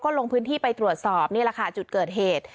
ลงพื้นที่ไปตรวจสอบนี่แหละค่ะจุดเกิดเหตุ